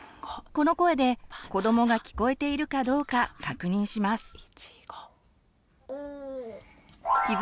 この声で子どもが聞こえているかどうか確認します。